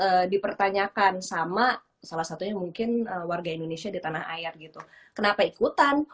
yang dipertanyakan sama salah satunya mungkin warga indonesia di tanah air gitu kenapa ikutan